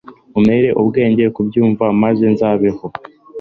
umpere ubwenge kubyumva maze nzabeho